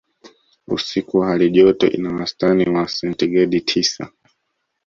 Usiku hali joto ina wastani wa sentigredi tisa